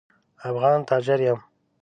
افغان تاجر یم.